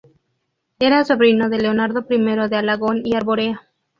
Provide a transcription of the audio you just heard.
Era sobrino de Leonardo I de Alagón y Arborea.